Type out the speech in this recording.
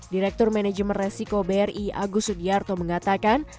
direktur manajemen resiko bri agus sudiarto mengatakan